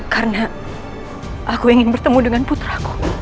karena aku ingin bertemu dengan putraku